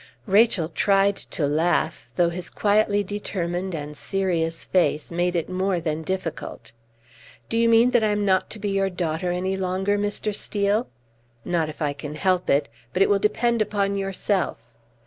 Rachel tried to laugh, though his quietly determined and serious face made it more than difficult. "Do you mean that I am not to be your daughter any longer, Mr. Steel?" "Not if I can help it. But it will depend upon yourself."